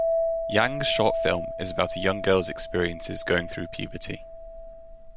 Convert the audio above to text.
Yang's short film is about a young girl's experiences going through puberty.